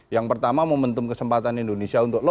yang pertama momentum kesempatan indonesia untuk lolo